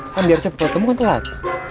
kan biar cepet mau ketemu kan telat